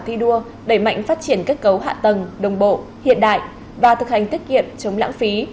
thi đua đẩy mạnh phát triển kết cấu hạ tầng đồng bộ hiện đại và thực hành tiết kiệm chống lãng phí